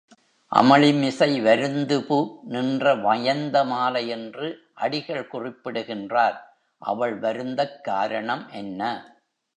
அமளிமிசை வருந்துபு நின்ற வயந்தமாலை என்று அடிகள் குறிப்பிடுகின்றார் அவள் வருந்தக் காரணம் என்ன?